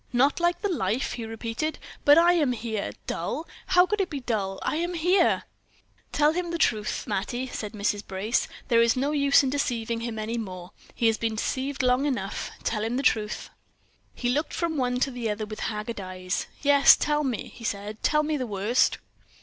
"Not like the life!" he repeated. "But I am here! Dull! How could it be dull? I am here!" "Tell him the truth, Mattie," said Mrs. Brace; "there is no use in deceiving him any more; he has been deceived long enough; tell him the truth." He looked from one to the other with haggard eyes. "Yes, tell me," he said; "tell me the worst."